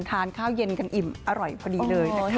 ทานข้าวเย็นกันอิ่มอร่อยพอดีเลยนะคะ